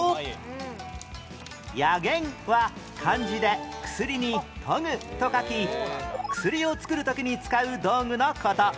「やげん」は漢字で「薬」に「研ぐ」と書き薬を作る時に使う道具の事